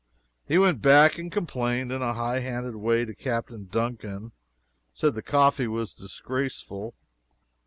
He went back and complained in a high handed way to Capt. Duncan. He said the coffee was disgraceful.